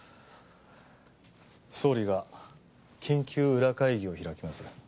総理が緊急裏会議を開きます。